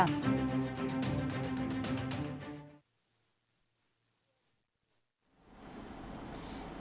thời gian gần đây